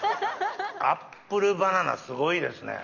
アップルバナナすごいですね。